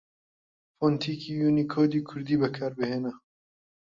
فۆنتێکی یوونیکۆدی کوردی بەکاربهێنە